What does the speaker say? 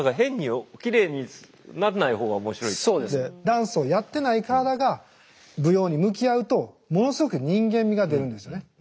ダンスをやってない体が舞踊に向き合うとものすごく人間味が出るんですよね。